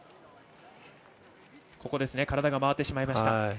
体が回ってしまいました。